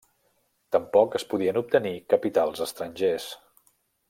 Tampoc es podien obtenir capitals estrangers.